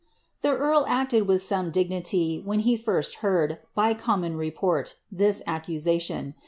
The earl acted with some diijnity, when he first heard, bv commoTi report, ihis accusation.